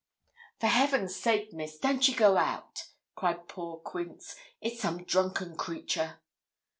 'For Heaven's sake, Miss, don't ye go out,' cried poor Quince; 'it's some drunken creature.'